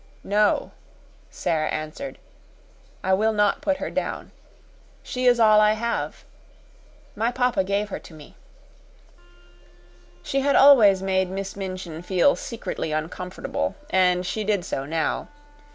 "No," Sara answered. "I will not put her down. She is all I have. My papa gave her to me." She had always made Miss Minchin feel secretly uncomfortable, and she did so now.